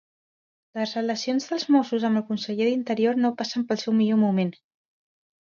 Les relacions dels Mossos amb el Conseller d'Interior no passen pel seu millor moment.